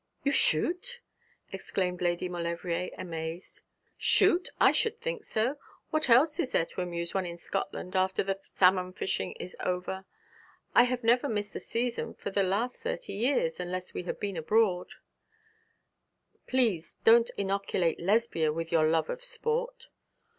'You shoot!' exclaimed Lady Maulevrier, amazed. 'Shoot! I should think I do. What else is there to amuse one in Scotland, after the salmon fishing is over? I have never missed a season for the last thirty years, unless we have been abroad.' 'Please, don't innoculate Lesbia with your love of sport.'